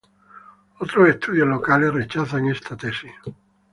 Otros estudios locales rechazan esta tesis.